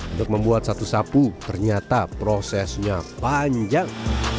untuk membuat satu sapu ternyata prosesnya panjang